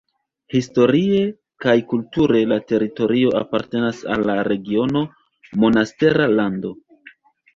Historie kaj kulture la teritorio apartenas al la regiono Monastera Lando.